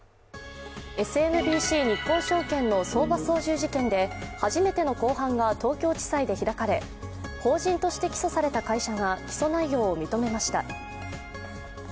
日興證券の相場操縦事件で初めての公判が東京地裁で開かれ、法人として起訴された会社が起訴内容を認めました。